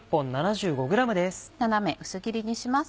斜め薄切りにします。